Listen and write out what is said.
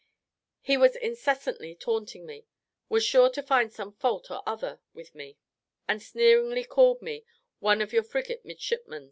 He was incessantly taunting me, was sure to find some fault or other with me, and sneeringly called me "one of your frigate midshipmen."